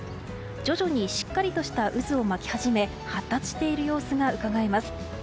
徐々にしっかりとした渦を巻き始め発達している様子がうかがえます。